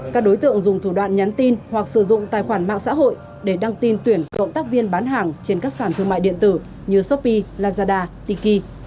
các đối tượng dùng thủ đoạn nhắn tin hoặc sử dụng tài khoản mạng xã hội để đăng tin tuyển cộng tác viên bán hàng trên các sản thương mại điện tử như shopee lazada tiki